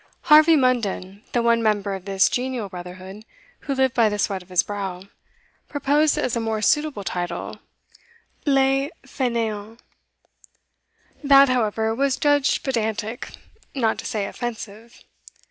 Harvey Munden, the one member of this genial brotherhood who lived by the sweat of his brow, proposed as a more suitable title, Les Faineants; that, however, was judged pedantic, not to say offensive.